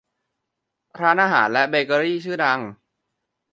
ร้านอาหารและเบเกอรี่ชื่อดัง